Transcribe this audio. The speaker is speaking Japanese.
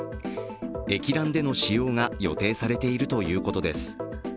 液卵での使用が予定されているということです。